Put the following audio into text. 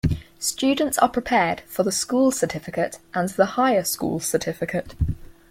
Students are prepared for the School Certificate and the Higher School Certificate.